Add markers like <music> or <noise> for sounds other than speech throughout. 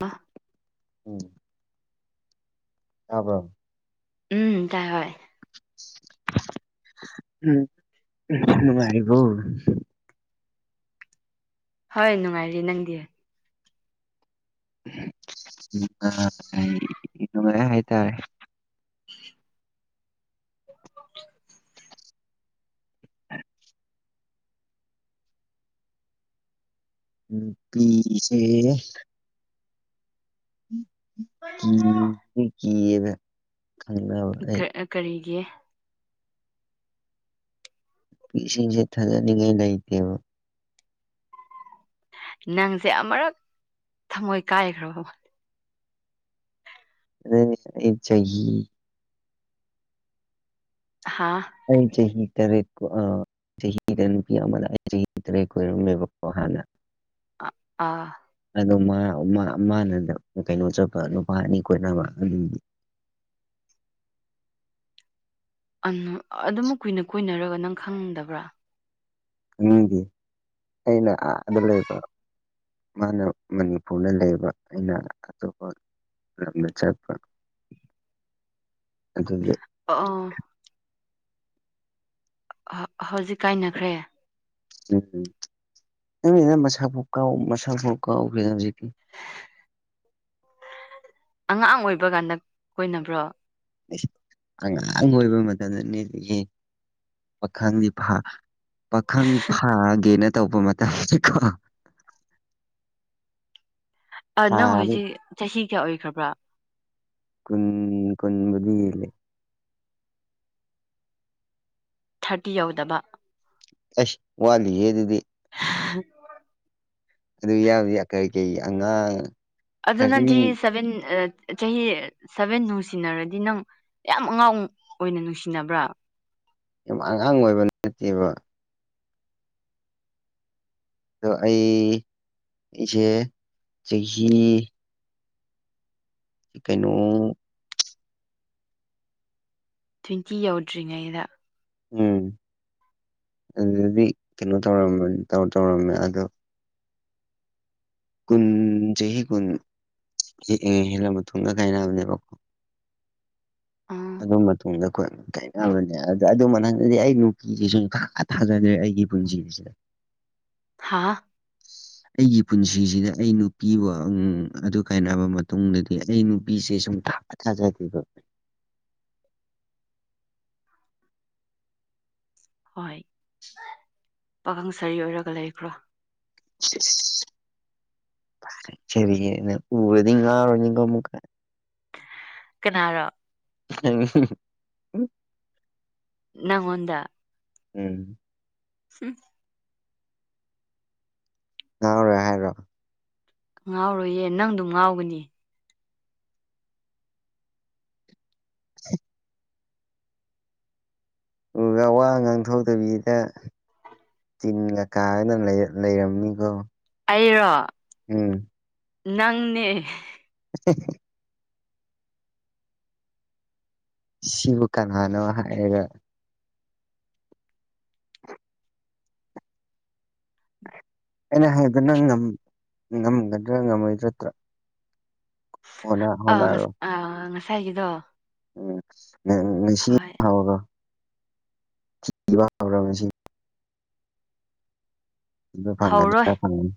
ꯕꯥ ꯎꯝ ꯇꯥꯕ꯭ꯔꯥ ꯎꯝ ꯇꯥꯏ ꯕꯥꯏ ꯅꯨꯡꯉꯥꯏꯔꯤꯕꯣ ꯍꯣꯏ ꯅꯨꯡꯉꯥꯏꯔꯤ ꯅꯪꯗꯤ ꯅꯨꯡꯉꯥꯏ ꯅꯨꯡꯉꯥꯏ ꯍꯥꯏꯇꯥꯔꯦ <unintelligible> ꯎꯝ ꯅꯨꯄꯤꯁꯦ ꯀꯤ ꯀꯤꯌꯦꯅ ꯈꯪꯅꯕ ꯑꯩ ꯀꯔꯤꯒꯤ ꯄꯤꯁꯤꯡꯁꯦ ꯊꯥꯖꯅꯤꯡꯉꯥꯏ ꯂꯩꯇꯦꯕ꯫ ꯅꯪꯁꯦ ꯑꯃꯨꯔꯛ ꯊꯃꯣꯏ ꯀꯥꯏꯈ꯭ꯔꯕꯣ ꯑꯗꯨ ꯆꯍꯤ ꯍꯥꯥ ꯑꯩ ꯆꯍꯤ ꯆꯍꯤ ꯇꯔꯦꯠ ꯑꯥ ꯆꯍꯤꯍꯤꯗꯄꯤꯌꯥ ꯆꯍꯤꯔꯍ <inaudible> ꯑꯥ ꯑꯥ ꯑꯗꯣ ꯃꯥ ꯃꯥꯅ ꯀꯩꯅꯣ ꯆꯠꯄ ꯅꯨꯄꯥ ꯑꯅꯤ ꯀꯣꯏꯅꯕ ꯑꯗꯨꯒꯤ꯫ ꯑꯗꯨꯝ ꯀꯨꯏꯅ ꯀꯨꯏꯅꯔꯒ ꯅꯪ ꯈꯪꯗꯕ꯭ꯔꯥ ꯃꯤꯗꯤ ꯑꯩꯅ ꯑꯥꯗ ꯂꯩꯕ ꯃꯥꯅ ꯃꯅꯤꯄꯨꯔꯗ ꯂꯩꯕ ꯑꯩꯅ ꯑꯇꯣꯞꯄ ꯂꯝꯗ ꯆꯠꯄꯥ ꯑꯗꯨꯒꯤ ꯑꯧ ꯍꯧꯖꯤꯛ ꯀꯥꯏꯅꯈ꯭ꯔꯦ ꯈꯪꯗꯦꯗ ꯃꯁꯛ ꯐꯥꯎ ꯀꯥꯎ ꯃꯁꯛ ꯐꯥꯎ ꯀꯥꯎꯈ꯭ꯔꯦꯗ ꯍꯧꯖꯤꯛꯀꯤ꯫ ꯑꯉꯥꯡ ꯑꯣꯏꯕ ꯀꯥꯟꯗ ꯀꯅꯕ꯭ꯔꯣ ꯑꯉꯥꯡ ꯑꯣꯏꯕ ꯃꯇꯝꯗꯅꯦꯗꯒꯤ ꯄꯥꯈꯪ ꯅꯤꯄꯥ ꯄꯥꯈꯪ ꯐꯥꯒꯦꯅ ꯇꯧꯕ ꯃꯇꯝꯗꯀꯣ ꯅꯪ ꯊꯥꯗꯤ ꯍꯣꯏꯁꯤ ꯆꯍꯤ ꯀꯌꯥ ꯑꯣꯏꯈ꯭ꯔꯕ꯭ꯔꯥ ꯈꯨꯟ ꯈꯨꯟꯕꯨꯗꯤ ꯍꯦꯜꯂꯦ꯫ ꯊꯥꯔꯇꯤ ꯌꯎꯗꯕ ꯑꯦꯁ ꯋꯥꯂꯤꯌꯦꯗꯨꯗꯤ <inaudible> ꯑꯗꯨ ꯌꯥꯎꯗꯤ ꯀꯩ ꯀꯩ ꯑꯉꯥꯡ ꯑꯗꯨꯣ ꯊꯥꯔꯇꯤ ꯅꯪ ꯆꯍꯤ ꯁꯕꯦꯟ ꯆꯍꯤ ꯁꯚꯦꯟ ꯅꯨꯡꯁꯤꯅꯔꯗꯤ ꯅꯪ ꯌꯥꯝ ꯑꯉꯥꯡ ꯑꯣꯏꯅ ꯅꯨꯡꯁꯤꯅꯕ꯭ꯔꯥ ꯌꯥꯝ ꯑꯉꯥꯡ ꯑꯣꯏꯕ ꯅꯠꯇꯦꯕ ꯑꯗꯣ ꯑꯩ ꯑꯩꯁꯦ ꯆꯍꯤ꯫ ꯀꯩꯅꯣ ꯇ꯭ꯋꯤꯡꯀꯤ ꯌꯧꯗ꯭ꯔꯤꯉꯩꯗ꯫ ꯎꯝ ꯑꯗꯨꯗꯤ ꯀꯩꯅꯣ ꯇꯧꯔꯝꯕꯅꯤ ꯇꯧꯔꯝꯃꯦ ꯑꯗꯣ ꯀꯨꯟ ꯆꯍꯤ ꯀꯨꯟ ꯍꯦꯛꯉ ꯍꯦꯜꯂꯕ ꯊꯨꯡꯒ ꯀꯥꯏꯅꯕꯅꯦꯕꯀꯣ ꯎꯝ ꯑꯗꯨ ꯃꯇꯨꯡꯗ ꯑꯩꯈꯣꯏ ꯀꯩ꯫ ꯌꯥꯝꯕꯅꯦ ꯑꯗ ꯑꯗꯨ ꯃꯅꯛꯗꯗꯤ ꯑꯩ ꯅꯨꯄꯤꯁꯤꯁꯨ ꯁꯨꯡꯊ ꯊꯖꯗ꯭ꯔꯦ ꯑꯩꯒꯤ ꯄꯨꯟꯁꯤ ꯁꯤꯗ꯫ ꯍꯥꯥ ꯑꯩꯒꯤ ꯄꯨꯟꯁꯤꯁꯤꯗ ꯑꯩ ꯅꯨꯄꯤ ꯋꯥ ꯑꯗꯨ ꯀꯥꯏꯅꯔꯕ ꯃꯇꯨꯡꯗꯗꯤ ꯑꯩ ꯅꯨꯄꯤꯁꯦ ꯁꯨꯝ ꯊꯖꯥꯏꯕꯣ ꯍꯣꯏ ꯄꯥꯈꯪ ꯁꯥꯔꯤ ꯑꯣꯏꯔꯒ ꯂꯩꯈ꯭ꯔꯣ꯫ ꯆꯦꯔꯤꯑꯦꯅ ꯎꯔꯗꯤ ꯉꯥꯎꯔꯅꯤ ꯀꯣ ꯑꯃꯨꯛꯀ꯫ ꯀꯅꯥꯔꯣ꯫ <unintelligible> ꯅꯪꯉꯣꯟꯗ꯫ ꯎꯝ꯫ ꯁꯤ ꯉꯥꯎꯔꯣꯏ ꯍꯥꯏꯔꯣ ꯉꯥꯎꯔꯣꯏꯌꯦ ꯅꯪꯗꯣ ꯉꯥꯎꯒꯅꯤ ꯎ ꯋꯥ ꯉꯥꯡꯊꯣꯛꯗꯕꯤꯗ ꯇꯤꯟꯒ ꯀꯥꯔ ꯂꯩꯔꯝꯃꯤꯀꯣ꯫ ꯑꯩꯔꯣ꯫ ꯎꯝ꯫ ꯅꯪꯅꯦ꯫ <unintelligible> ꯁꯤꯕꯨ ꯀꯅꯥꯅꯣ ꯍꯥꯏꯔꯒ꯫ <unintelligible> ꯑꯩꯅ ꯍꯥꯏꯗꯨꯅꯪ ꯉꯝꯒꯗ꯭ꯔꯥ ꯉꯝꯃꯣꯏꯗ꯭ꯔꯠꯇ꯭ꯔꯥ ꯑ ꯍꯣꯠꯅꯔꯣ ꯉꯁ ꯑꯥ ꯉꯁꯥꯏꯒꯤꯗꯣ ꯎꯝ ꯍꯣꯏ <unintelligible> ꯋꯥꯕꯔꯣ ꯉꯁꯤ꯫ ꯑꯗꯨ ꯐꯪꯒꯅꯤ ꯍꯧꯔꯣꯏ ꯈ ꯐꯪꯒꯅꯤ꯫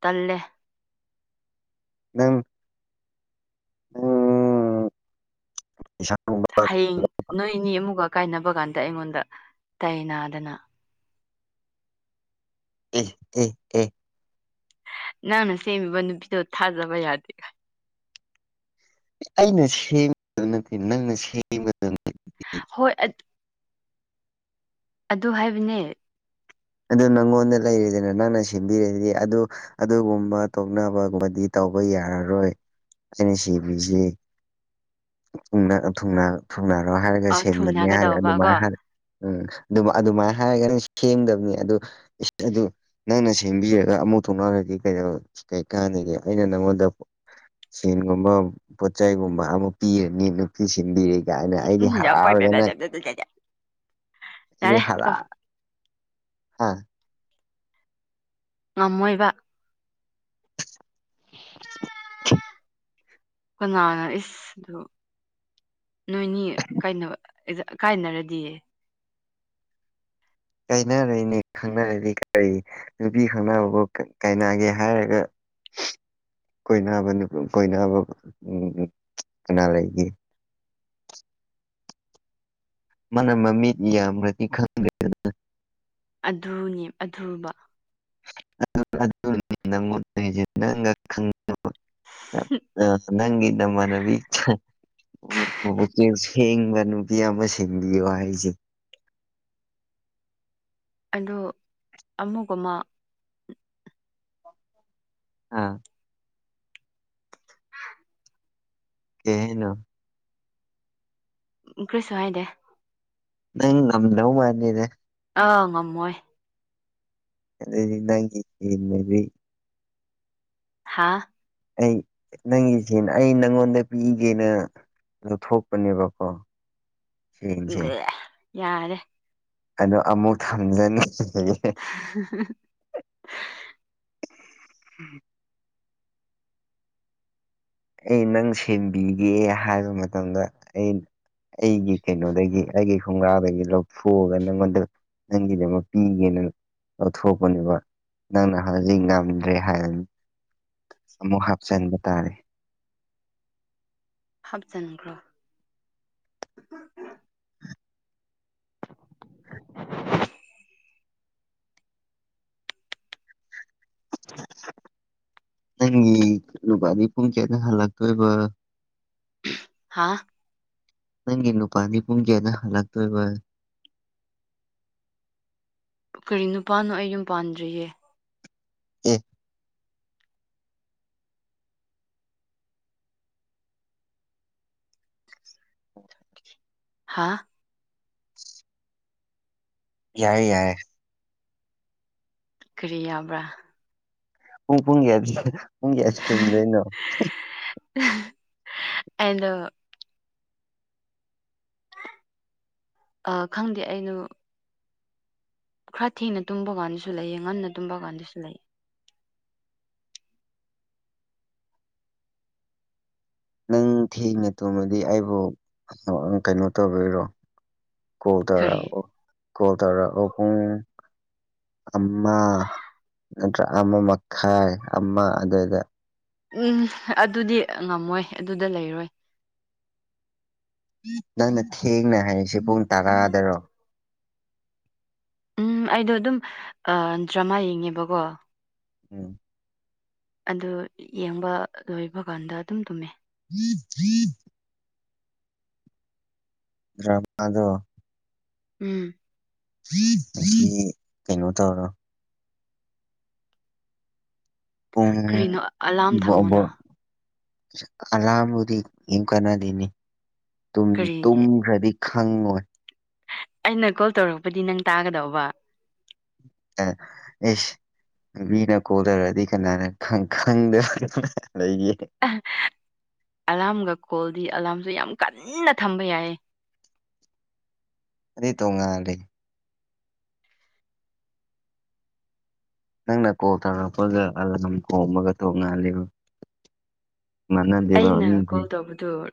ꯇꯜꯂꯦ꯫ ꯅꯪ꯫ ꯑꯣ ꯄꯩꯁꯥ ꯍꯌꯦꯡ ꯅꯣꯏ ꯅꯤ ꯑꯃꯨꯛꯒ ꯀꯥꯏꯅꯕ ꯀꯥꯟꯗ ꯑꯩꯉꯣꯟꯗ ꯇꯥꯏ ꯅꯥꯗꯅ ꯎꯝ ꯎꯝ ꯅꯪꯅ ꯁꯦꯝꯃꯤꯕ ꯅꯨꯄꯤꯗꯣ ꯊꯥꯖꯕ ꯌꯥꯗꯦ ꯑꯩꯅ ꯁꯦꯝꯕꯗ ꯅꯠꯇꯦ ꯅꯪꯅ ꯁꯦꯝꯒꯗꯕꯅꯦ꯫ ꯍꯣꯏ ꯑ꯫ ꯑꯗꯨ ꯍꯥꯏꯕꯅꯦ ꯑꯗꯨ ꯅꯪꯉꯣꯟꯗ ꯂꯩꯔꯤꯗꯅ ꯅꯪꯅ ꯁꯤꯟꯕꯤꯔꯗꯤ ꯑꯗꯨ ꯑꯗꯨꯒꯨꯝꯕ ꯇꯣꯛꯅꯕꯒꯨꯝꯕꯗꯤ ꯇꯧꯕ ꯌꯥꯔꯔꯣꯏ ꯑꯩꯅ ꯁꯤꯕꯤꯁꯤ ꯊꯨꯡꯅ ꯊꯨꯡꯅꯔꯣ ꯍꯥꯏꯔꯒ ꯑ ꯁꯦꯝꯕꯅꯤ ꯍꯥꯏꯔꯦ ꯊꯨꯅꯒꯗꯧꯕ ꯀꯣ ꯑꯗꯨꯃꯥꯏꯅ ꯍꯜꯂ ꯎꯝ ꯑꯗꯨꯃꯥꯏꯅ ꯍꯥꯏꯔꯒ ꯁꯦꯝꯗꯕꯅꯤ ꯑꯗꯨ ꯑꯗꯨ꯫ ꯅꯪꯅ ꯁꯦꯝꯕꯤꯔꯒ ꯑꯃꯨꯛ ꯊꯣꯛꯅꯔꯗꯤ ꯀꯩꯗꯧ ꯀꯩꯀꯥꯟꯅꯒꯦ ꯑꯩꯅ ꯅꯪꯉꯣꯟꯗ ꯁꯦꯟꯒꯨꯝꯕ ꯄꯣꯠꯆꯥꯏꯒꯨꯝꯕ ꯑꯃ ꯄꯤꯔꯅꯤ ꯅꯨꯄꯤ ꯁꯤꯡꯗꯤ꯫ ꯀꯥꯏꯅ ꯑꯩꯗꯤ ꯎꯝ ꯌꯥꯝ ꯄꯛꯇꯦꯗ ꯍꯔꯥꯎꯔꯒꯅꯣꯏꯗꯤ ꯌꯥꯔꯦ ꯍꯔ꯫ ꯇꯣ ꯍꯥ ꯉꯝꯃꯣꯏꯕ꯫ <unintelligible> ꯀꯅꯥꯅ ꯏꯁꯗꯣ ꯅꯣꯏꯅꯤ ꯀꯩꯅꯣ ꯀꯥꯏꯅꯔꯗꯤ꯫ ꯀꯥꯏꯅꯔꯏꯅꯤ ꯈꯪꯅꯔꯗꯤ ꯀꯔꯤ ꯅꯨꯄꯤ ꯈꯪꯅꯕꯕꯨ ꯀꯥꯏꯅꯒꯦ ꯍꯥꯏꯔꯒ <inaudible> ꯀꯣꯏꯅꯕ ꯅꯨ ꯀꯣꯏꯅꯕ ꯎꯝ ꯎ ꯀꯅꯥ ꯂꯩꯒꯦ꯫ ꯃꯥꯥꯟꯅ ꯃꯃꯤꯠ ꯌꯥꯝꯕꯗꯤ ꯈꯪꯗꯦ꯫ ꯑꯗꯨꯅꯦ ꯑꯗꯨꯕ꯫ <unintelligible> ꯑ ꯅꯪ ꯅ ꯃꯅꯕꯤꯁꯤ ꯊꯦꯡꯕ ꯅꯨꯄꯤ ꯑꯃ ꯁꯤꯟꯕꯤꯌꯣ ꯍꯥꯏꯁꯦ꯫ ꯑꯗꯣ ꯑꯃꯨꯒ ꯑꯃ ꯍꯥ <inaudible> ꯀꯩ ꯍꯥꯏꯅꯣ ꯀꯔꯤꯁꯨ ꯍꯥꯏꯗꯦ꯫ ꯅꯪꯪ ꯉꯗꯧ ꯃꯥꯥꯟꯗ‌ꯦꯗ ꯑꯥ ꯉꯝꯃꯣꯏ꯫ ꯑꯗꯩꯗꯤ ꯅꯪꯒꯤ ꯏꯕꯤ꯫ ꯍꯥꯥ ꯑꯩ ꯅꯪꯉꯣꯟꯗ ꯄꯤꯒꯦꯅ ꯑꯗꯨ ꯊꯣꯛꯄꯅꯦꯕꯀꯣ ꯌꯥꯔꯦ꯫ ꯑꯗꯣ ꯑꯃꯨꯛ ꯊꯝꯖꯅꯤꯡ꯫ <inaudible> <inaudible> ꯑꯩ ꯅꯪ ꯁꯦꯝꯦꯟꯕꯤꯒꯦ ꯍꯥꯏꯕ ꯃꯇꯝꯗ ꯑꯩ ꯑꯩꯒꯤ ꯀꯩꯅꯣꯗꯒꯤ ꯑꯩꯒꯤ ꯈꯣꯡꯒ꯭ꯔꯥꯗꯒꯤ ꯂꯧꯊꯣꯛꯑꯒ ꯅꯪꯉꯣꯟꯗ ꯅꯪꯒꯤꯅꯦ ꯑꯃ ꯄꯤꯒꯦꯅ ꯂꯧꯊꯣꯛꯄꯅꯦꯕ ꯅꯪꯅ ꯍꯧꯖꯤꯛ ꯉꯝꯗ꯭ꯔꯦ ꯍꯥꯏꯔꯅꯤ꯫ ꯑꯃꯨꯛ ꯍꯥꯞꯆꯤꯟꯕ ꯇꯥꯔꯦ꯫ ꯍꯥꯞꯆꯟꯒ꯭ꯔꯣ ꯅꯪꯒꯤ ꯂꯨꯄꯥꯗꯤ ꯄꯨꯡ ꯀꯌꯥꯗ ꯍꯜꯂꯛꯇꯣꯏꯕ ꯍꯥꯥ ꯅꯪꯒꯤ ꯅꯨꯄꯥꯅꯤ ꯄꯨꯡꯀꯌꯥꯗ ꯍꯜꯂꯛꯇꯣꯏꯕ ꯀꯔꯤ ꯅꯨꯄꯥꯅꯣ ꯑꯩ ꯌꯨꯝ ꯄꯥꯟꯗ꯭ꯔꯤꯌꯦ꯫ ꯑꯥ ꯍꯥꯥ ꯌꯥꯏ ꯌꯥꯏ ꯀꯔꯤ ꯌꯥꯕ꯭ꯔꯥ ꯄꯨꯡ ꯄꯨꯡ ꯀꯌꯥ ꯄꯨꯡ ꯀꯌꯥꯁꯤ ꯇꯨꯝꯗꯣꯏꯅꯣ? ꯑꯩꯗꯣ ꯑ ꯈꯪꯗꯦ ꯑꯩꯅꯣ ꯈꯔ ꯊꯦꯡꯅ ꯇꯨꯝꯕ ꯀꯥꯟꯗꯁꯨ ꯂꯩꯑ ꯉꯟꯅ ꯇꯨꯝꯕ ꯀꯥꯟꯗꯁꯨ ꯂꯩꯑ ꯅꯪ ꯊꯦꯡꯅ ꯇꯣꯃꯗꯤ ꯑꯩꯕꯨ ꯀꯩꯅꯣ ꯇꯧꯕꯗꯔꯣ ꯀꯣꯜ ꯀꯔꯤ ꯇꯔꯛꯑꯣ ꯀꯣꯜ ꯇꯔꯛꯑꯣ ꯄꯨꯡ ꯑꯃ ꯅꯠꯇ꯭ꯔ ꯑꯃ ꯃꯈꯥꯏ ꯑꯃ ꯑꯗꯨꯏꯗ ꯎꯝ ꯑꯗꯨꯗꯤ ꯉꯝꯃꯣꯏ ꯑꯗꯨꯗ ꯂꯩꯔꯣꯏ ꯅꯪꯅ ꯊꯦꯡꯅ ꯍꯥꯏꯔꯤꯁꯤ ꯄꯨꯡ ꯇꯔꯥꯗꯔꯣ ꯎꯝ ꯑꯩꯗꯣ ꯑꯗꯨꯝ ꯗ꯭ꯔꯃꯥ ꯌꯦꯡꯉꯦꯕꯀꯣ ꯎꯝ ꯑꯗꯨ ꯌꯦꯡꯕ ꯂꯣꯏꯕ ꯀꯥꯟꯗ ꯑꯗꯨꯝ ꯇꯨꯝꯃꯦ <unintelligible> ꯀꯔꯝꯕꯅ‌ꯣ ꯎꯝ ꯀꯩꯅꯣ ꯇꯧꯔꯣ ꯀꯔꯤꯅꯣ ꯑꯂꯥꯔꯝ ꯑꯣ ꯊꯝꯃꯣꯅ ꯀꯥꯅꯕꯨꯗꯤ ꯀꯅꯥꯗ‌ꯦꯅ‌ꯦ ꯀꯔꯤꯒꯤ ꯇꯨꯝꯗ꯭ꯔꯗꯤ ꯈꯪꯉꯣꯏ ꯑꯩꯅ ꯀꯣꯜ ꯇꯧꯔꯛꯄꯗꯤ ꯅꯪ ꯇꯥꯒꯗꯧꯕ ꯑꯦ ꯑꯩꯁ ꯃꯤꯅ ꯀꯣꯜ ꯇꯧꯔꯛꯑꯗꯤ ꯀꯅꯥꯅ ꯈꯪꯗꯕ ꯂꯩꯒꯦ ꯑꯂꯥꯝꯒ ꯀꯣꯜꯗꯤ ꯑꯂꯥꯝꯁꯨ ꯌꯥꯝ ꯀꯟꯅ ꯊꯝꯕ ꯌꯥꯏꯌꯦ ꯑꯗꯨꯗꯤ ꯇꯣꯡꯉꯥꯟꯂꯦ ꯅꯪꯅ ꯀꯣꯜ ꯇꯧꯔꯛꯄꯒ ꯑꯂꯥꯔꯝ ꯈꯣꯡꯕꯒ ꯇꯣꯡꯉꯥꯜꯂꯤꯕ ꯃꯥꯅꯗꯦꯕ ꯃꯤꯗꯤ ꯇꯕꯗꯣ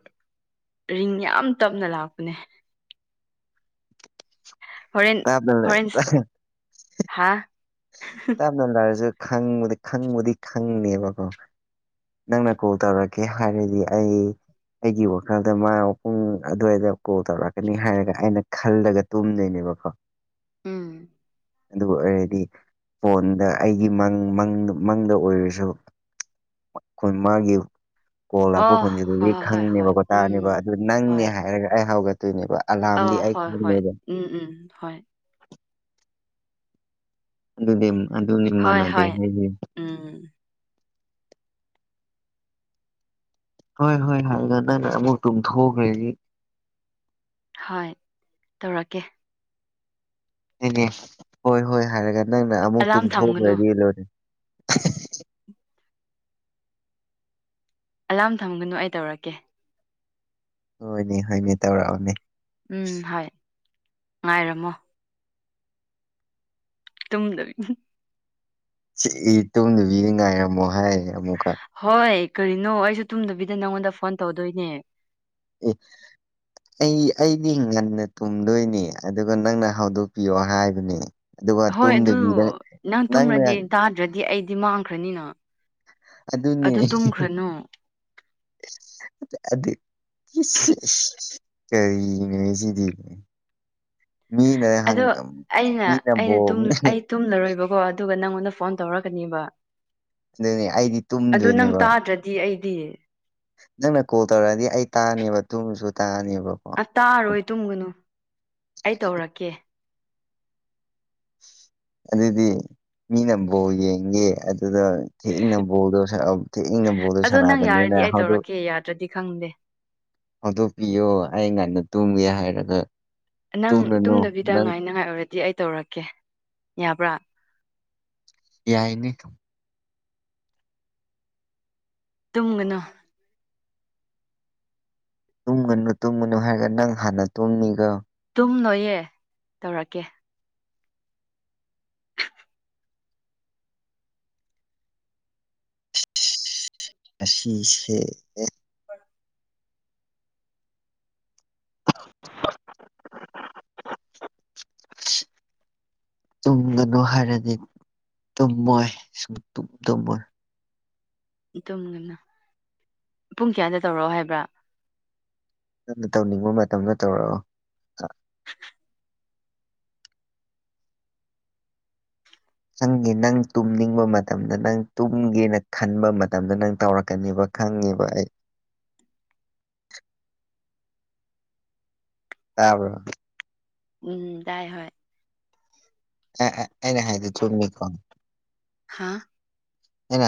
ꯔꯤꯡ ꯌꯥꯝ ꯇꯞꯅ ꯂꯥꯛꯄꯅꯦ ꯍꯣꯔꯦꯟ ꯇꯥꯞꯅ ꯍꯣꯔꯦꯟ ꯍꯥꯥ ꯇꯞꯅꯂꯥꯛꯑꯁꯨ ꯈꯪꯕꯗꯤ ꯈꯪꯕꯨꯗꯤ ꯈꯪꯅꯦꯕꯀꯣ ꯅꯪꯅ ꯀꯣꯜ ꯇꯧꯔꯛꯀꯦ ꯍꯥꯏꯔꯗꯤ ꯑꯩ ꯑꯩꯒꯤ ꯋꯥꯈꯜꯗ ꯃꯥꯅ ꯄꯨꯡ ꯑꯗꯨꯋꯥꯏꯗ ꯀꯣꯜ ꯇꯧꯔꯛꯀꯅꯤ ꯍꯥꯏꯔꯒ ꯑꯩꯅ ꯈꯜꯂꯒ ꯇꯨꯝꯗꯣꯏꯅꯦꯕꯀꯣ <inaudible> ꯑꯗꯨ ꯑꯣꯏꯔꯗꯤ ꯐꯣꯟꯗ ꯑꯩꯒꯤ ꯃꯪꯪ ꯃꯪꯗ ꯑꯣꯏꯔꯁꯨ ꯈꯣꯏ ꯃꯥꯒꯤ ꯀꯣꯜ ꯂꯥꯛꯄ ꯑꯣ ꯈꯣꯟꯖꯦꯟꯗꯨꯗꯤ ꯍꯣꯏ ꯍꯣꯏ ꯍꯣꯏ ꯍꯣꯏ ꯈꯪꯉꯦꯕꯀꯣ ꯎꯝ ꯇꯥꯥꯅꯦꯕ ꯑꯗꯨ ꯅꯪꯅꯦ ꯍꯥꯏꯔꯒ ꯑꯩ ꯍꯧꯒꯠꯇꯣꯏꯅꯦꯕ ꯑꯥ ꯑꯂꯥꯝꯗꯤ ꯑꯩ ꯍꯣꯏ ꯍꯣꯏ ꯈꯪꯉꯣꯏꯕ ꯎꯝ ꯎꯝ ꯍꯣꯏ ꯑꯗꯨꯗꯤ ꯑꯗꯨꯅꯤ ꯍꯣꯏ ꯃꯥꯟꯅꯗꯦ ꯍꯣꯏ ꯍꯥꯏꯁ‌ꯦ ꯎꯝ ꯍꯣꯏ ꯍꯣꯏ ꯍꯥꯏꯒ ꯅꯪꯅ ꯑꯃꯨꯛ ꯇꯨꯝꯊꯣꯛꯈ꯭ꯔꯗꯤ ꯍꯣꯏ ꯇꯧꯔꯛꯀꯦ ꯍꯣꯏ ꯍꯣꯏ ꯍꯥꯏꯔꯒ ꯅꯪꯅ ꯑꯃꯨꯛ ꯑꯂꯥꯔꯝ ꯊꯝꯒꯅꯨ ꯇꯨꯝꯊꯣꯛꯈ꯭ꯔꯗꯤ ꯂꯣꯏꯔꯦꯅꯦ ꯑꯂꯥꯔꯝ ꯊꯝꯒꯅꯨ ꯑꯩ ꯇꯧꯔꯛꯀꯦ ꯍꯣꯏꯅꯦ ꯍꯣꯏꯅꯦ ꯇꯧꯔꯛꯑꯣꯅꯦ ꯎꯝ ꯍꯣꯏ ꯉꯥꯏꯔꯝꯃꯣ ꯇꯨꯝꯗꯕꯤ ꯏꯁ ꯇꯨꯝꯗꯕꯤꯒ ꯉꯥꯏꯔꯝꯃꯣ ꯍꯥꯏꯌꯦ ꯑꯃꯨꯛꯀ ꯍꯣꯏ ꯀꯔꯤꯅꯣ ꯑꯩꯁꯨ ꯇꯨꯝꯗꯕꯤꯗ ꯅꯪꯉꯣꯟꯗ ꯐꯣꯟ ꯇꯧꯗꯣꯏꯅꯦ ꯏ ꯑꯩ ꯑꯩꯗꯤ ꯉꯟꯅ ꯇꯨꯝꯗꯣꯏꯅꯤ ꯑꯗꯨꯒ ꯅꯪꯅ ꯍꯧꯗꯣꯛꯄꯤꯌꯣ ꯍꯥꯏꯕꯅꯦ ꯑꯗꯨꯒ ꯍꯣꯏ ꯑꯗꯨ ꯇꯨꯝꯗꯕꯤꯗ ꯅꯪ ꯅꯪꯅ ꯇꯨꯝꯔꯗꯤ ꯇꯥꯗ꯭ꯔꯗꯤ ꯑꯩꯗꯤ ꯃꯥꯡꯈ꯭ꯔꯅꯤꯅ ꯑꯗꯨꯅꯦ ꯑꯗꯨ ꯇꯨꯝꯈ꯭ꯔꯅꯨ ꯑꯗꯨꯗꯤ ꯀꯔꯤꯅꯣꯅꯦ ꯁꯤꯗꯤ ꯃꯤꯅ ꯍꯪ ꯑꯗꯣ ꯑꯩꯅ ꯃꯤꯅꯕꯣ ꯑꯩꯅ ꯇꯨꯝ ꯑꯩ ꯇꯨꯝꯂꯔꯣꯏꯕꯀꯣ ꯑꯗꯨꯒ ꯅꯪꯉꯣꯟꯗ ꯐꯣꯟ ꯇꯧꯔꯛꯀꯅꯦꯕ ꯑꯗꯨꯅꯦ ꯑꯩꯗꯤ ꯑꯗꯨ ꯅꯪ ꯇꯨꯝꯗꯣꯏꯅꯦꯕ ꯇꯥꯗ꯭ꯔꯗꯤ ꯑꯩꯗꯤ ꯅꯪꯅ ꯀꯣꯜ ꯇꯧꯔꯛꯑꯗꯤ ꯑꯩ ꯇꯥꯅꯦꯕ ꯇꯨꯝꯃꯁꯨ ꯇꯥꯅꯦꯕꯀꯣ ꯑ ꯇꯥꯔꯣꯏ ꯇꯨꯝꯒꯅꯨ ꯑꯩ ꯇꯧꯔꯛꯀꯦ ꯑꯗꯨꯗꯤ ꯃꯤꯅ ꯕꯣꯜ ꯌꯦꯡꯒꯦ ꯑꯗꯨꯗ ꯊꯦꯡꯅ ꯕꯣꯜꯗ ꯊꯦꯡꯅ ꯕꯣꯜꯗꯣ ꯑꯗꯣ ꯅꯪ ꯁꯅꯕꯅꯤꯅ ꯌꯥꯔꯗꯤ ꯑꯩ ꯍꯗꯨ ꯇꯧꯔꯛꯀꯦ ꯌꯥꯗ꯭ꯔꯗꯤ <inaudible> ꯍꯧꯗꯣꯛꯄꯤꯌꯣ ꯑꯩ ꯉꯥꯟꯗ ꯇꯨꯝꯒꯦ ꯍꯥꯏꯔꯒ ꯅꯪ ꯇꯨꯝꯂꯅꯨ ꯇꯨꯝꯗꯕꯤꯗ ꯅꯪ ꯉꯥꯏꯅꯉꯥꯏ ꯑꯣꯏꯔꯗꯤ ꯑꯩ ꯇꯧꯔꯛꯀꯦ ꯌꯥꯕ꯭ꯔꯥ ꯌꯥꯏꯅ‌ꯦ ꯇꯨꯝꯒꯅꯨ ꯇꯨꯝꯒꯅꯨ ꯇꯨꯝꯒꯅꯨ ꯍꯥꯏꯔꯒ ꯅꯪ ꯍꯥꯟꯅ ꯇꯨꯝꯅꯤꯒꯣ ꯇꯨꯝꯂꯣꯏꯌꯦ ꯇꯧꯔꯛꯀꯦ ꯑꯁꯤ ꯁꯦ ꯑꯦ <inaudible> ꯇꯨꯝꯒꯅꯨ ꯍꯥꯏꯔꯗꯤ ꯇꯨꯝꯃꯣꯏ ꯁꯨꯝꯇꯨꯝ ꯇꯨꯝꯃꯣꯏ ꯇꯨꯝꯒꯅ ꯄꯨꯡ ꯀꯌꯥꯗ ꯇꯧꯔꯛꯑꯣ ꯍꯥꯏꯕ꯭ꯔꯥ ꯅꯪꯅ ꯇꯧꯅꯤꯡꯕ ꯃꯇꯝꯗ ꯇꯧꯔꯛꯑꯣ <unintelligible> ꯆꯪꯒꯤ ꯅꯪ ꯇꯨꯝꯅꯤꯡꯕ ꯃꯇꯝꯗ ꯅꯪ ꯇꯨꯝꯒꯦꯅ ꯈꯟꯕ ꯃꯇꯝꯗ ꯅꯪ ꯇꯧꯔꯛꯀꯅꯦꯕ ꯈꯪꯉꯤꯕ ꯑꯩ ꯇꯕ꯭ꯔ ꯎꯝ ꯇꯥꯏ ꯍꯣꯏ ꯑ ꯑ ꯑꯩꯅ ꯍꯥꯏꯗꯣ ꯆꯨꯝꯃꯤꯅꯤ ꯍꯥꯥ